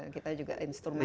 kita juga instrumental